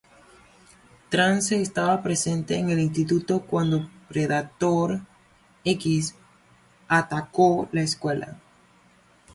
Trance estaba presente en el Instituto cuando Predator X atacó la escuela.